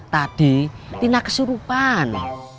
tadi tina kesurupan